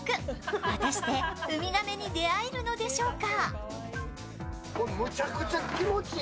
果たして海亀に出会えるのでしょうか。